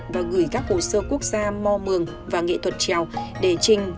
và gửi các hồ sơ quốc gia mò mường và nghệ thuật trèo để trình